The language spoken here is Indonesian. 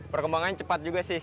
perkembangan cepat juga sih